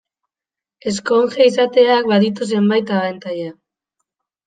Ezkonge izateak baditu zenbait abantaila.